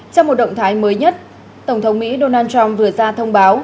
trong một động thái mới nhất tổng thống mỹ donald trump vừa ra thông báo